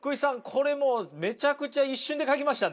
これもうめちゃくちゃ一瞬で描きましたね。